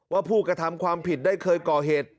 ว่าผู้กระทำความผิดได้เคยก่อเหตุ